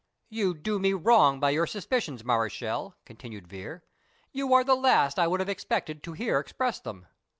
"You do me wrong by your suspicions, Mareschal," continued Vere; "you are the last I would have expected to hear express them."